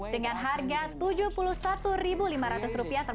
dengan kisah yang terbaru